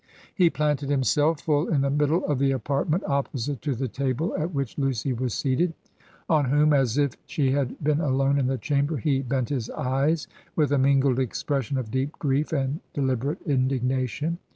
" He planted himself full in the middle of the apart ment, opposite to the table at which Lucy was seated, on whom, as if she had been alone in the chamber, he bent his eyes with a mingled expression of deep grief and deliberate indignation.